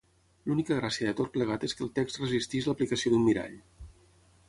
L'única gràcia de tot plegat és que el text resisteix l'aplicació d'un mirall.